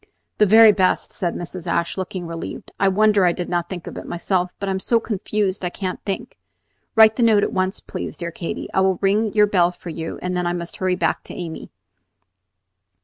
"The very best," said Mrs. Ashe, looking relieved. "I wonder I did not think of it myself, but I am so confused that I can't think. Write the note at once, please, dear Katy. I will ring your bell for you, and then I must hurry back to Amy."